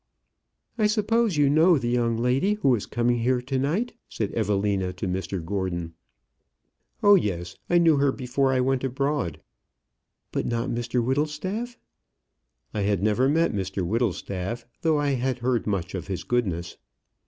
"I suppose you know the young lady who is coming here to night," said Evelina to Mr Gordon. "Oh, yes; I knew her before I went abroad." "But not Mr Whittlestaff?" "I had never met Mr Whittlestaff, though I had heard much of his goodness."